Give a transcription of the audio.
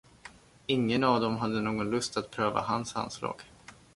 Ingen av dem hade någon lust att pröva hans handslag.